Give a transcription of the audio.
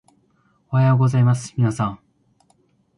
おはようございますみなさん